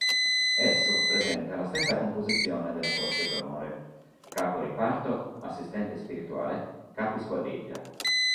Esso presenta la stessa composizione della Corte d'onore: Capo Riparto, Assistente spirituale, Capi Squadriglia.